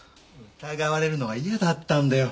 疑われるのが嫌だったんだよ。